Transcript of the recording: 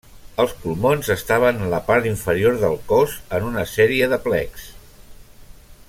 Els pulmons estaven en la part inferior del cos en una sèrie de plecs.